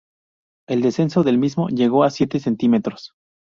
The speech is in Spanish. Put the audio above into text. El descenso del mismo llegó a siete centímetros.